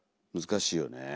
難しいよね。